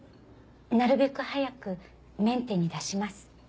なるべく早くメンテに出します。